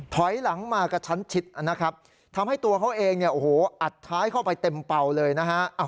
ถอยหลังมากระชั้นชิดนะครับทำให้ตัวเขาเองเนี่ยโอ้โหอัดท้ายเข้าไปเต็มเป่าเลยนะฮะ